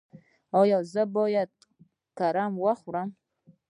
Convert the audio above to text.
ایا زه باید کرم وخورم؟